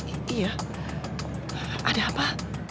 iya ada apa